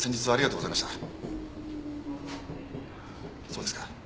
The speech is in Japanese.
そうですか。